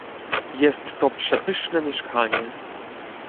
"jest to przepyszne mieszkanie."